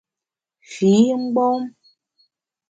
Fi mgbom !